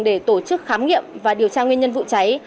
để tổ chức khám nghiệm và điều tra nguyên nhân vụ cháy